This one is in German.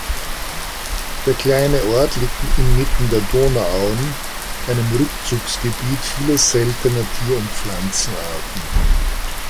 Der kleine Ort liegt inmitten der Donauauen, einem Rückzugsgebiet vieler seltener Tier- und Pflanzenarten.